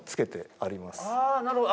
ああなるほど。